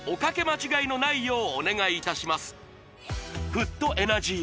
フットエナジー